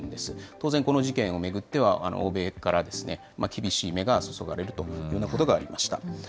当然この事件を巡っては、欧米から厳しい目が注がれるというようなことがありました。